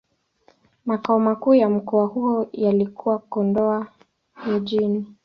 Makao makuu ya mkoa huo yalikuwa Kondoa Mjini.